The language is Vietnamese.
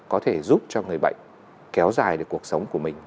có thể giúp cho người bệnh kéo dài được cuộc sống của mình